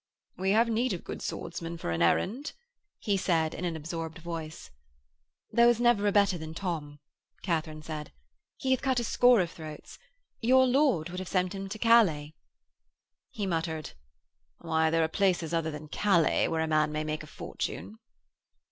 'We have need of good swordsmen for an errand,' he said, in an absorbed voice. 'There was never a better than Tom,' Katharine said. 'He hath cut a score of throats. Your lord would have sent him to Calais.' He muttered: 'Why, there are places other than Calais where a man may make a fortune.'